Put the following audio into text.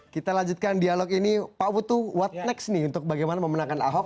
kita lanjutkan dialog ini pak butuh bagaimana memenangkan ahok